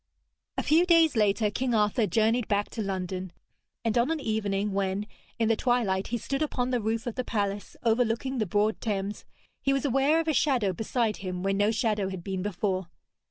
A few days later King Arthur journeyed back to London, and on an evening when, in the twilight, he stood upon the roof of the palace overlooking the broad Thames, he was aware of a shadow beside him where no shadow had been before.